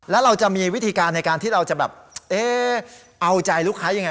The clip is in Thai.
แล้วเราจะมีวิธีการในการที่เราจะแบบเอ๊ะเอาใจลูกค้ายังไง